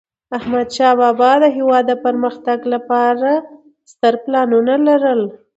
احمدشاه بابا د هیواد د پرمختګ لپاره ستر پلانونه لرل.